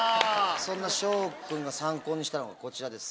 そんな紫耀君が参考にしたのがこちらです。